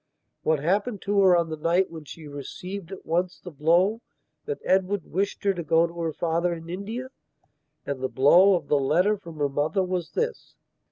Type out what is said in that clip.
What happened to her on the night when she received at once the blow that Edward wished her to go to her father in India and the blow of the letter from her mother was this.